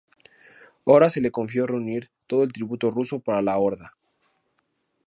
Ahora se le confió reunir todo el tributo ruso para la Horda.